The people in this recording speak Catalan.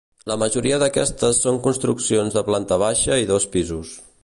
La majoria d'aquestes són construccions de planta baixa i dos pisos.